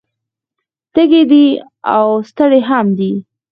تږی دی او ستړی هم دی